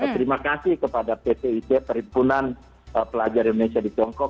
terima kasih kepada pt ic perimpunan pelajar indonesia di tiongkok